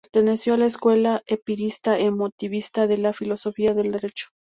Perteneció a la escuela empirista-emotivista de la filosofía del derecho.